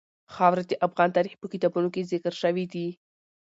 خاوره د افغان تاریخ په کتابونو کې ذکر شوي دي.